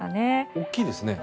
大きいですね。